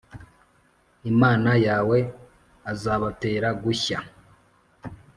Imana yawe azabatera gushya